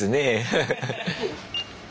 ハハハハッ。